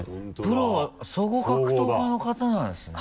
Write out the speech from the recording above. プロ総合格闘家の方なんですね。